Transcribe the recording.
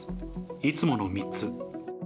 いつもの３つ。